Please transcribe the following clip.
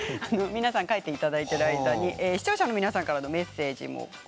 皆さん書いていただいている間に視聴者の方からメッセージです。